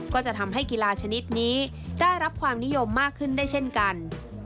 ก็จะทำให้กีฬาชนิดนี้ได้รับความนิยมมากขึ้นได้เช่นกัน